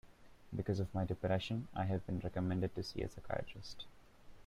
Because of my depression, I have been recommended to see a psychiatrist.